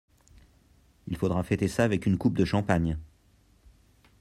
Il faudra fêter ça avec une coupe de champagne.